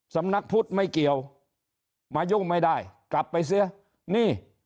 สำนักพุทธไม่เกี่ยวมายุ่งไม่ได้กลับไปเสียนี่